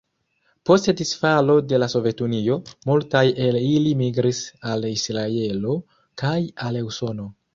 Post disfalo de la Sovetunio, multaj el ili migris al Israelo kaj al Usono.